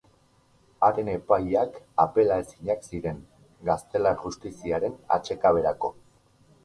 Haren epaiak apelaezinak ziren, gaztelar justiziaren atsekaberako.